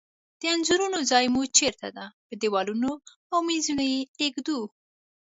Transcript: د انځورونو ځای مو چیرته ده؟ په دیوالونو او میزونو یی ایږدو